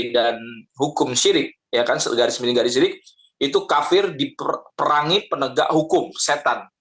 dan hukum syirik ya kan garis milik garis syirik itu kafir diperangi penegak hukum setan